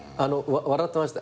笑ってました。